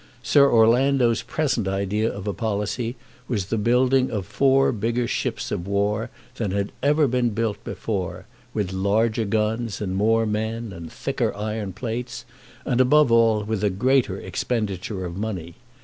Sir Orlando's present idea of a policy was the building four bigger ships of war than had ever been built before, with larger guns, and more men, and thicker iron plates, and, above all, with a greater expenditure of money.